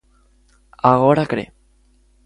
Agora cre.